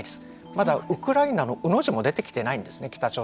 まだウクライナのウの字も出てきてないんですよね。